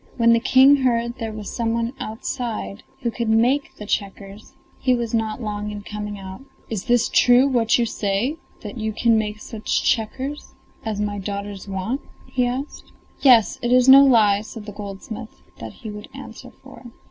When the King heard there was some one outside who could make the checkers he was not long in coming out. "Is it true what you say, that you can make such checkers as my daughters want?" he asked. "Yes, it is no lie," said the goldsmith; that he would answer for.